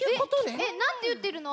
えっなんていってるの？